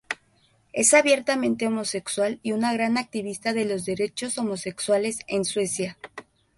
Es abiertamente homosexual y un gran activista de los derechos homosexuales en Suecia.